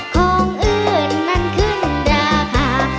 ของอื่นมันขึ้นราคา